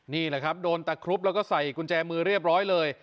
นี่แหละครับโดนตะครุบแล้วก็ใส่กุญแจมือเรียบร้อยเลย